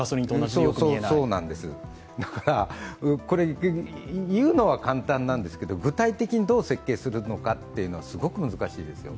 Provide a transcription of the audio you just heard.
そうなんです、だから言うのは簡単なんですけど具体的にどう設計するのかっていうのはすごく難しいですよ。